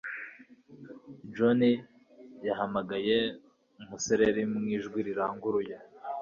John yahamagaye umusereri mu ijwi riranguruye.